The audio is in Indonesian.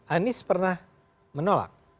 anies pernah menolak